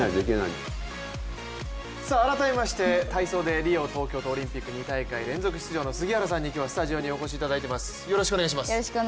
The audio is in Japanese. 改めまして体操でリオ、東京と２大会連続出場の杉原さんに今日はスタジオにお越しいただいています。